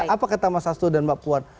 apa kata mas asto dan mbak puan